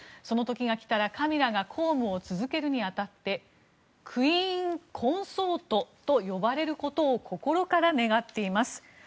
その時が来たらカミラが公務を続けるにあたってクイーン・コンソートと呼ばれることを心から願っています。